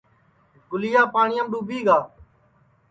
گُلیا پاٹِؔیام ڈُؔوٻی گا